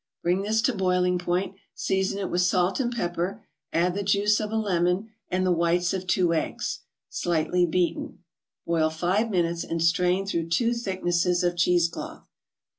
Bring this to boiling point, season it with salt and pepper, add the juice of a lemon and the whites of two eggs, slightly beaten. Boil five minutes, and strain through two thicknesses of cheese cloth.